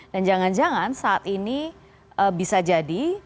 dan jangan jangan saat ini bisa jadi